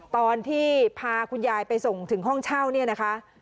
ตอนที่พาคุณยายไปส่งถึงห้องเช่าเนี่ยนะคะ